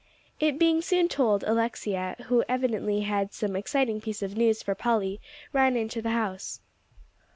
It being soon told, Alexia, who evidently had some exciting piece of news for Polly, ran into the house.